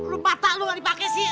lu patah lu dipake si